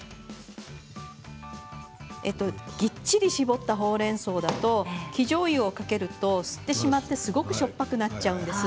きっちり絞ったほうれんそうだと生じょうゆをかけると吸ってしまってすごくしょっぱくなっちゃうんです。